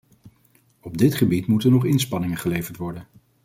Op dit gebied moeten er nog inspanningen geleverd worden.